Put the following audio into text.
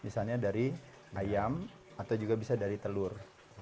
di sini saya bisa dapat dari ayam atau juga bisa dari telur